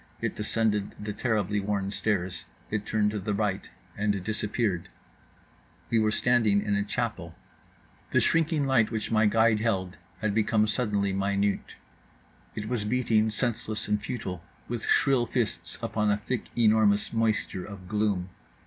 It descended the terribly worn stairs. It turned to the right and disappeared…. We were standing in a chapel. The shrinking light which my guide held had become suddenly minute; it was beating, senseless and futile, with shrill fists upon a thick enormous moisture of gloom.